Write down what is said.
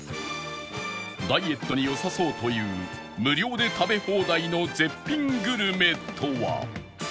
ダイエットに良さそうという無料で食べ放題の絶品グルメとは？